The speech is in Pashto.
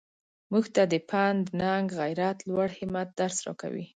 موږ ته د پند ننګ غیرت لوړ همت درس راکوي.